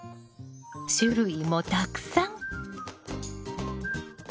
種類もたくさん。